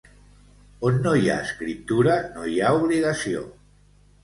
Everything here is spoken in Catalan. On no hi ha escriptura no hi ha obligació.